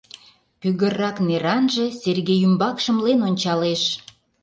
Пӱгыррак неранже Сергей ӱмбак шымлен ончалеш.